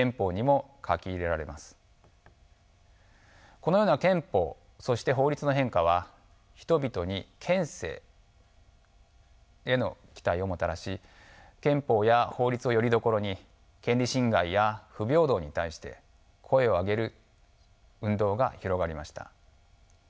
このような憲法そして法律の変化は人々に憲政への期待をもたらし憲法や法律をよりどころに権利侵害や不平等に対して声を上げる運動が広がりました。